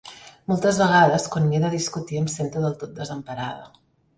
Moltes vegades, quan m'hi he de discutir, em sento del tot desemparada.